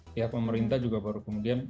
pihak pemerintah juga baru kemudian